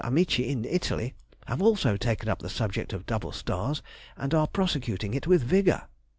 Amici, in Italy, have also taken up the subject of double stars, and are prosecuting it with vigour.